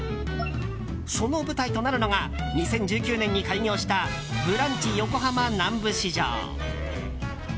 その舞台となるのが２０１９年に開業したブランチ横浜南部市場。